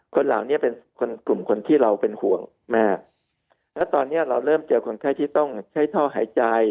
คนเหล่านี้เป็นคนกลุ่มคนที่เราเป็นห่วงมากแล้วตอนเนี้ยเราเริ่มเจอคนไข้ที่ต้องใช้ท่อหายใจ